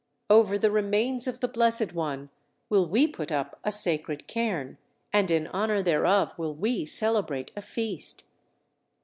Over the remains of the Blessed One will we put up a sacred cairn, and in honor thereof will we celebrate a feast!"